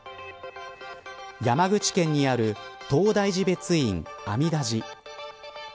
山口県にある東大寺別院阿弥陀寺。